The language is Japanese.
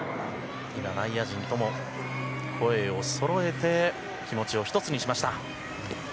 内野陣とも声をそろえて気持ちを１つにしました。